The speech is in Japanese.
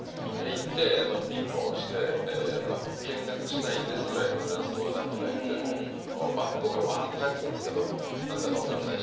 行ってピンポン押して「見学したいんです」ぐらいのフランス語はなんとか言っても向こうからワーッと返ってくるんですけど何だか分からないし。